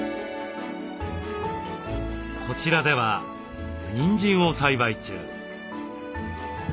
こちらではにんじんを栽培中。